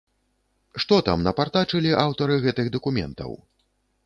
Што там напартачылі аўтары гэтых дакументаў?